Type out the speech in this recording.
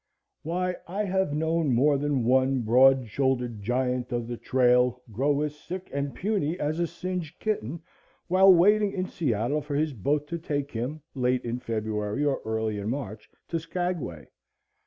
Why, I have known more than one broad shouldered giant of the trail grow as sick and puny as a singed kitten while waiting in Seattle for his boat to take him, late in February or early in March, to Skagway.